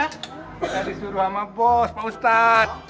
kita disuruh sama bos mau ustadz